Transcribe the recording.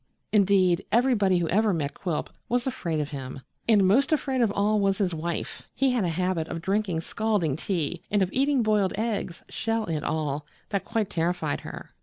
Indeed, everybody who ever met Quilp was afraid of him, and most afraid of all was his wife. He had a habit of drinking scalding tea and of eating boiled eggs, shell and all, that quite terrified her.